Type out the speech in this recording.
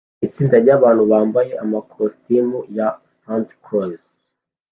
Itsinda ryabantu bambaye amakositimu ya Santa Claus